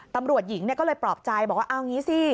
ตำรวจหญิงก็เลยปลอบใจบอกว่าเอางี้สิ